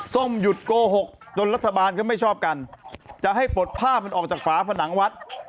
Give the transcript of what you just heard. ส้มหยุดโกหกจนรัฐบาลก็ไม่ชอบกันจะให้ปลดผ้ามันออกจากฝาผนังวัด